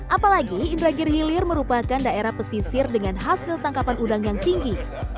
apalagi indragir hilir merupakan daerah pesisir dengan hasil tangkapan udang yang tinggi